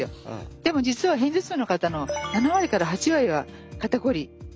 でも実は片頭痛の方の７割から８割は肩こりがあるんですね。